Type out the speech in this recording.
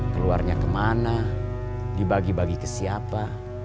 keluarnya kemana dibagi bagi ke siapa